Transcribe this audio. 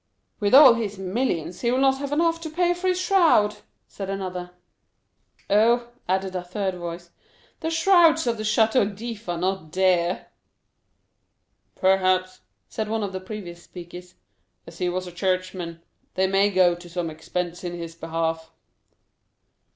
"With all his millions, he will not have enough to pay for his shroud!" said another. "Oh," added a third voice, "the shrouds of the Château d'If are not dear!" 0257m "Perhaps," said one of the previous speakers, "as he was a churchman, they may go to some expense in his behalf."